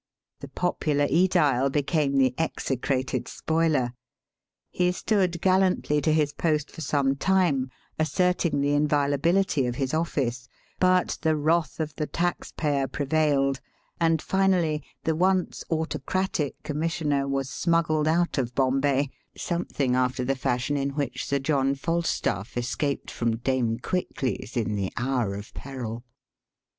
The popular sedile became the exe crated spoiler. He stood gallantly to his post for some time, asserting the inviolability of his office ; but the wrath of the taxpayer prevailed, and finally the once autocratic Commissioner was smuggled out of Bombay something after the fashion in which Sir John Falstaff escaped from Dame Quickly's in the hour of peril.